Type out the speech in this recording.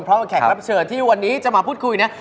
เพราะว่าแขกรับเชิญที่วันนี้จะมาพูดคุยเนี่ย